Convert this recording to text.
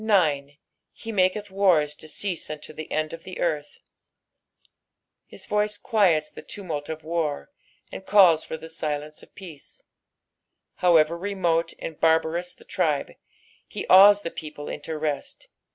9. "Bt mofatA ttart to ceoMUTito the end of the earth." His voice quiets the tumult of war, and calls for the silence of peace. However remote and barbarous the tribe, he awes the people into rest.